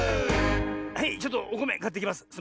はいちょっとおこめかってきます。